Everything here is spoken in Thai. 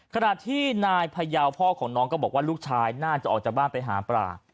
ขณะที่นายพยาวพ่อของน้องก็บอกว่าลูกชายน่าจะออกจากบ้านไปหาปลา